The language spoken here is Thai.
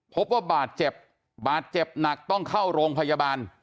พบว่าบาดเจ็บบาดเจ็บหนักต้องเข้าโรงพยาบาล